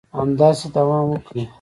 همداسې دوام وکړي